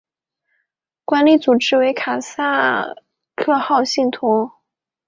管理组织为卡蒂萨克号信托。